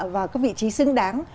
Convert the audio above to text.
và có vị trí xứng đáng